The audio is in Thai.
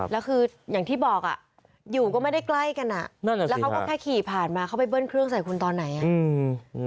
แล้วคืออย่างที่บอกอ่ะอยู่ก็ไม่ได้ใกล้กันอ่ะนั่นแหละแล้วเขาก็แค่ขี่ผ่านมาเขาไปเบิ้ลเครื่องใส่คุณตอนไหนอ่ะอืม